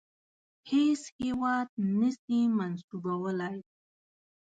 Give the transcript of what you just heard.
هیڅ هیواد نه سي منسوبولای.